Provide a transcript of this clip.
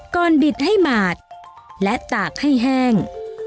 บิดให้หมาดและตากให้แห้ง